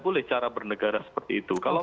boleh cara bernegara seperti itu kalau